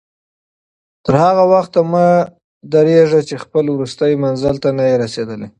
تر هغه وخته مه درېږه چې خپل وروستي منزل ته نه یې رسېدلی.